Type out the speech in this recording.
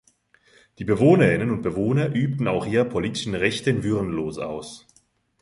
Die Bewohnerinnen und Bewohner übten auch ihre politischen Rechte in Würenlos aus.